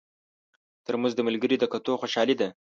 ترموز د ملګري د کتو خوشالي ده.